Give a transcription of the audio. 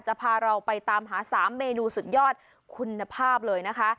จะพาเราไปตามหา๓เมนูสุดยอดคุณภาพเลยนะคะ